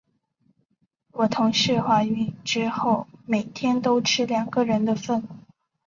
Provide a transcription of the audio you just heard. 我同事怀孕之后，每天都吃两个人的份。